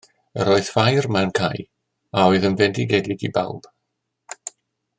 Yr oedd ffair mewn cae a oedd yn fendigedig i bawb